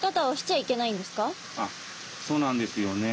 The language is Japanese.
ああそうなんですね。